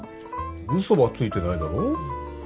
嘘はついてないだろ。